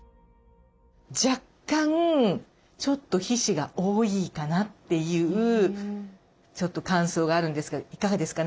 若干ちょっと皮脂が多いかなっていうちょっと感想があるんですがいかがですか？